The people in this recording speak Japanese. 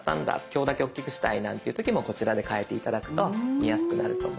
今日だけ大きくしたいなんていう時もこちらで変えて頂くと見やすくなると思います。